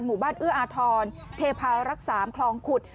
หมู่บ้านเอื้ออาทรธพรรค๓คลองขุด